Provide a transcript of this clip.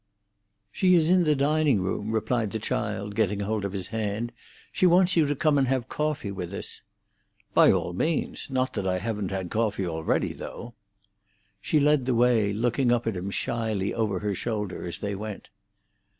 "She is in the dining room," replied the child, getting hold of his hand. "She wants you to come and have coffee with us." "By all means—not that I haven't had coffee already, though." She led the way, looking up at him shyly over her shoulder as they went.